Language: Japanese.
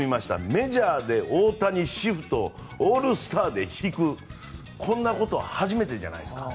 メジャーで大谷シフトオールスターで敷く、こんなこと初めてじゃないですか。